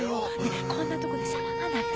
こんなとこで騒がないで。